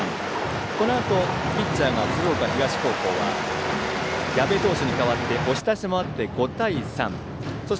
このあとピッチャーが鶴岡東高校は矢部投手に代わって押し出しもあって５対３。